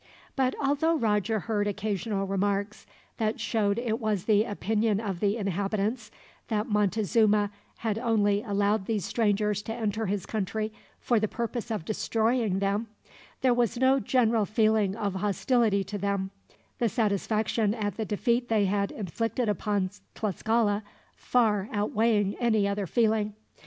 But although Roger heard occasional remarks that showed it was the opinion of the inhabitants that Montezuma had only allowed these strangers to enter his country for the purpose of destroying them, there was no general feeling of hostility to them the satisfaction at the defeat they had inflicted upon Tlascala far outweighing any other feeling.